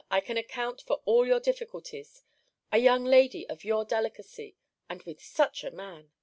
I can account for all your difficulties. A young lady of your delicacy! And with such a man!